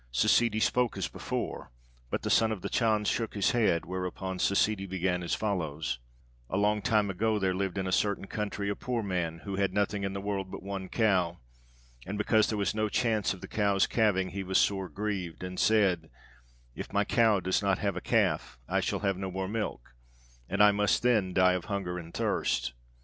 Ssidi spoke as before, but the Son of the Chan shook his head, whereupon Ssidi began as follows: "A long time ago there lived in a certain country a poor man, who had nothing in the world but one cow; and because there was no chance of the cow's calving, he was sore grieved, and said, 'If my cow does not have a calf, I shall have no more milk, and I must then die of hunger and thirst.'